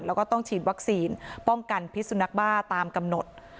แล้วก็ต้องฉีดวัคซีนป้องกันพิสุนักบ้าตามกำหนด